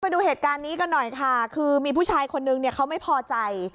ดูเหตุการณ์นี้กันหน่อยค่ะคือมีผู้ชายคนนึงเนี่ยเขาไม่พอใจ